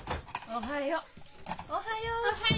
おはよう。